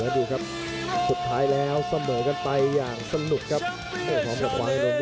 และเติมได้แค่หนักจากขวาของยอดนักรักษ์ครับ